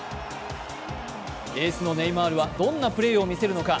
エースのネイマールはどんなプレーを見せるのか。